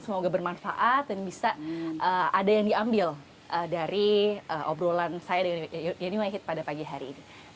semoga bermanfaat dan bisa ada yang diambil dari obrolan saya dengan yeni wahid pada pagi hari ini